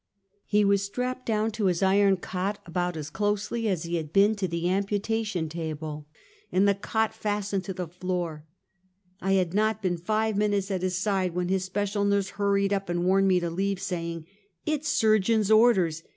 He was strapped down to his iron cot, about as close ly as he had been to the amputation table, and the cot fastened to the floor. I had not been five minutes at his side when his special nurse hurried up and warned me to leave, saying: " It's surgeon's orders.